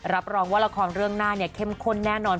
รับรองว่าละครเรื่องหน้าเนี่ยเข้มข้นแน่นอน